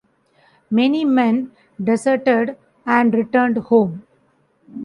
Many men deserted and returned home.